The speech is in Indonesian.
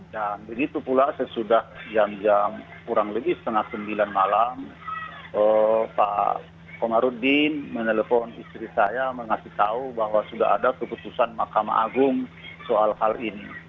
dan begitu pula sesudah jam jam kurang lebih setengah sembilan malam pak kamarudin menelpon istri saya mengasih tahu bahwa sudah ada keputusan mahkamah agung soal hal ini